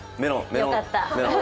良かった。